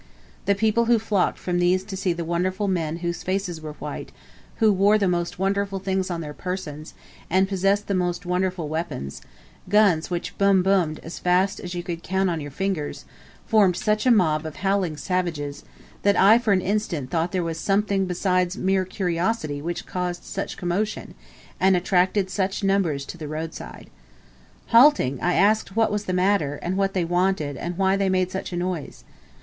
The people who flocked from these to see the wonderful men whose faces were white, who wore the most wonderful things on their persons, and possessed the most wonderful weapons; guns which "bum bummed" as fast as you could count on your fingers, formed such a mob of howling savages, that I for an instant thought there was something besides mere curiosity which caused such commotion, and attracted such numbers to the roadside. Halting, I asked what was the matter, and what they wanted, and why they made such noise?